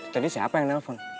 tadi siapa yang telepon